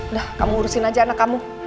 dah kamu urusin aja anak kamu